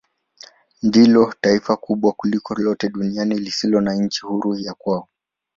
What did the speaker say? Ndilo taifa kubwa kuliko lote duniani lisilo na nchi huru ya kwao.